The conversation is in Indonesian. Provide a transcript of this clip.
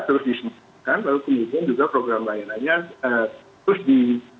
terus disediakan lalu kemudian juga program layanannya terus di